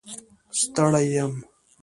ستړی یم